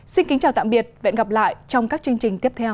xin kính chào tạm biệt và hẹn gặp lại trong các chương trình tiếp theo